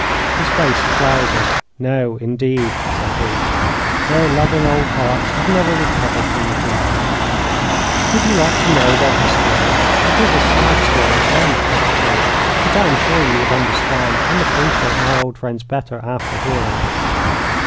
His face clouded. "No, indeed," said he. "Their loving old hearts have never recovered from the blow. Would you like to know their history? It is a sad story, and pitiful; but I am sure you would understand and appreciate my old friends better after hearing it."